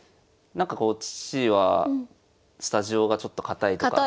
なんかこう父はスタジオがちょっと硬いとか。